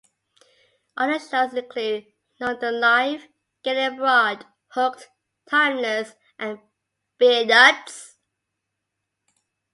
Other shows include "London Live", "Getting Abroad", "Hooked", "Timeless" and "Beer Nutz".